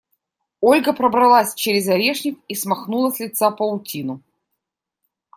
Ольга пробралась через орешник и смахнула с лица паутину.